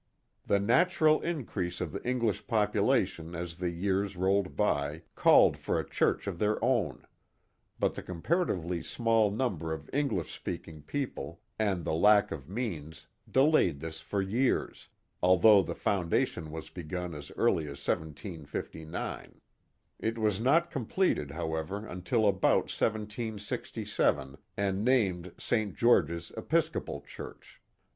The natural increase of the English population as the years rolled by. called for a church of their own, but the com paratively small number of English speaking people, and the lack of means, delayed this for years, although the foundation was begun as early as 1759. It was not completed, however, until about 1767, and named St. George's Episcopal Church.